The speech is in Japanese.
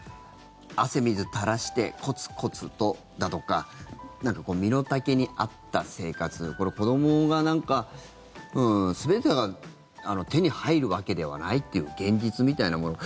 汗水垂らしてコツコツとだとか身の丈に合った生活子どもが、全てが手に入るわけではないという現実みたいなもの